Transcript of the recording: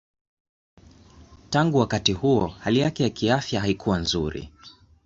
Tangu wakati huo hali yake ya kiafya haikuwa nzuri.